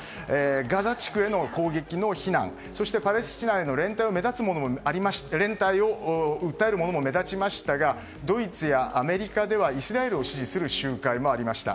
ガザ地区への攻撃の非難そして、パレスチナへの連帯を訴えるものも目立ちましたがドイツやアメリカではイスラエルを支持する集会もありました。